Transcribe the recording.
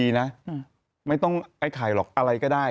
พี่แมว่ะแต่หนุ่มไม่ได้พี่แมว่ะแต่หนุ่มไม่ได้